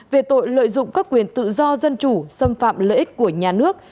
về tội lợi dụng các quyền tự do dân chủ xâm phạm lợi ích của nhà nước